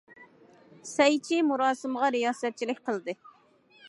سەي چى مۇراسىمغا رىياسەتچىلىك قىلدى.